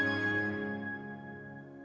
itu sudah pasti